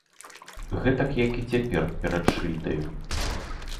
Гэтак, як і цяпер перад шыльдаю.